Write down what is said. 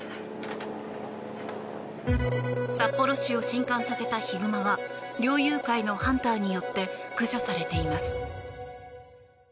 札幌市を震撼させたヒグマは猟友会の判断によって駆除されています。